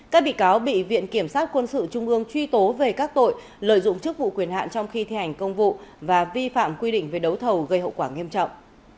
các bị cáo bị viện kiểm sát quân sự trung ương truy tố về các tội lợi dụng chức vụ quyền hạn trong khi thi hành công vụ và vi phạm quy định về đấu thầu gây hậu quả nghiêm trọng